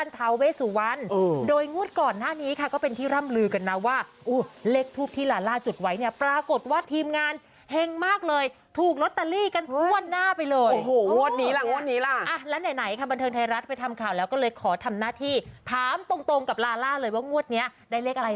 เขาไปดูในเพจลูกสาวพญานาคโดยจะลงไว้ให้